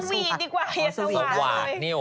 สวีตดีกว่ายังสวาดเลย